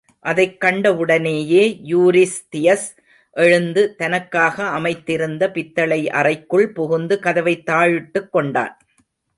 அதைக் கண்டவுடனேயே யூரிஸ்தியஸ் எழுந்து தனக்காக அமைத்திருந்த பித்தளை அறைக்குள் புகுந்து, கதவைத் தாழிட்டுக் கொண்டான்.